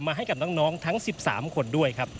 ให้กับน้องทั้ง๑๓คนด้วยครับ